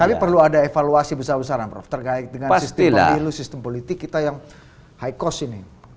tapi perlu ada evaluasi besar besaran prof terkait dengan sistem pemilu sistem politik kita yang high cost ini